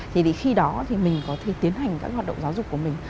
thì khi đó thì mình có thể tiến hành các hoạt động giáo dục của mình